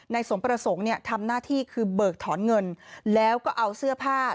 สมประสงค์เนี่ยทำหน้าที่คือเบิกถอนเงินแล้วก็เอาเสื้อผ้า